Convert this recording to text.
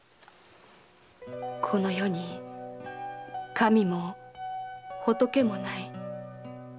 この世に神も仏もない。